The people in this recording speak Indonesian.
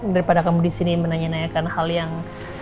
daripada kamu disini menanyakan hal yang